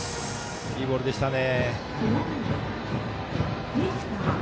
いいボールでしたね。